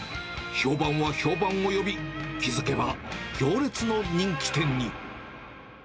評判は評判を呼び、気付けば行列の人気店に。